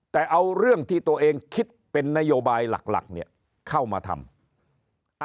แต่เอาเรื่องที่ตัวเองคิดเป็นนโยบายหลักเนี่ยเข้ามาทำ